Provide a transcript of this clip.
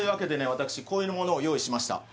私こういうものを用意しました